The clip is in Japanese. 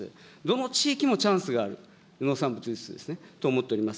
どの地域もチャンスがある、農産物輸出ですね、と思っております。